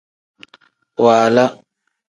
Waala.